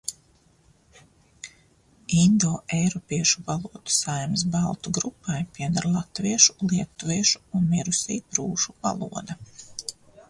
Indoeiropiešu valodu saimes baltu grupai pieder latviešu, lietuviešu un mirusī prūšu valoda.